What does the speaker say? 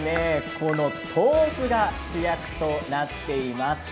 今日は豆腐が主役となっています。